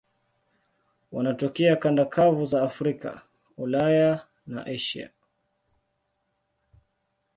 Wanatokea kanda kavu za Afrika, Ulaya na Asia.